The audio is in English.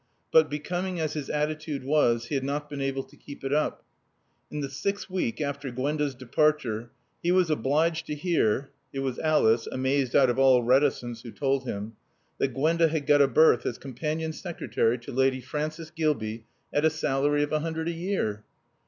But, becoming as his attitude was, he had not been able to keep it up. In the sixth week after Gwenda's departure, he was obliged to hear (it was Alice, amazed out of all reticence, who told him) that Gwenda had got a berth as companion secretary to Lady Frances Gilbey, at a salary of a hundred a year.